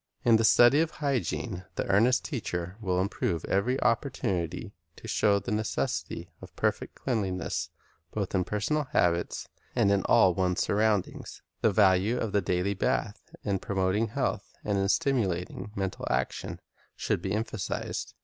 In the study of hygiene the earnest teacher will improve every opportunity to show the necessity of perfect cleanliness both in personal habits and in all one's surroundings. The value of the daily bath in promoting health and in stimulating mental action, should be emphasized.